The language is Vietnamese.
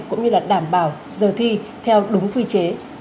cũng như là đảm bảo giờ thi theo đúng quy chế